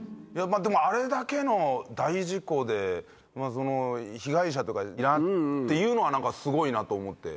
でもあれだけの大事故で被害者とかいないっていうのは何かすごいなと思って。